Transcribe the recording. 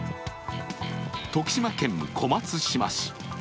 徳島県小松島市。